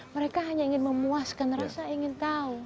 mereka hanya ingin memuaskan rasa ingin tahu